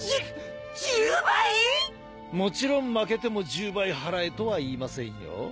もちろん負けても１０倍払えとは言いませんよ。